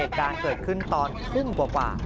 เหตุการณ์เกิดขึ้นตอนทุ่มกว่า